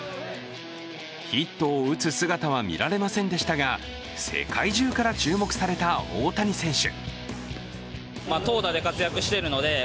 ヒットを打つ姿は見られませんでしたが、世界中から注目された大谷選手。